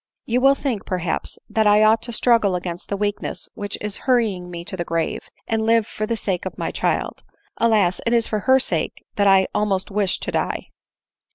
" You will think, perhaps, that I ought to struggle against the weakness which is hurrying me to the grave, and live for the sake of my child. Alas! it is for her sake that I most wish to die.